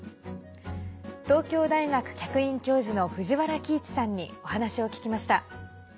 東京大学客員教授の藤原帰一さんにお話を聞きました。